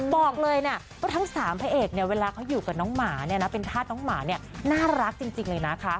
บอกเลยนะว่าทั้ง๓พระเอกเนี่ยเวลาเขาอยู่กับน้องหมาเนี่ยนะเป็นธาตุน้องหมาเนี่ยน่ารักจริงเลยนะคะ